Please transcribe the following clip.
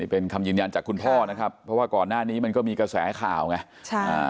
เป็นคำยืนยันจากคุณพ่อนะครับเพราะว่าก่อนหน้านี้มันก็มีกระแสข่าวไงใช่อ่า